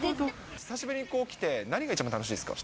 久しぶりに来て、何が一番楽しいですか。